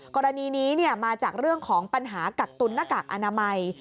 กรณีนี้มาจากเรื่องของปัญหากักตุนหน้ากากอนามัย